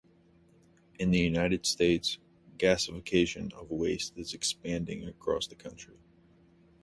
In the United States, gasification of waste is expanding across the country.